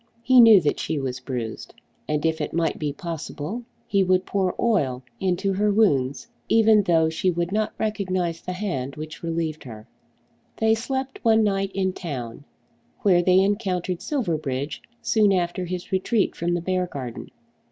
He knew that she was bruised, and if it might be possible he would pour oil into her wounds, even though she would not recognise the hand which relieved her. They slept one night in town, where they encountered Silverbridge soon after his retreat from the Beargarden.